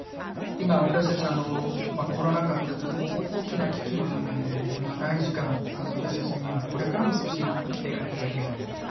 今私たちはあのコロナ禍っていうとても大きな危機の中にもう長い時間私たちは今これからも少し生きていかなきゃいけないと。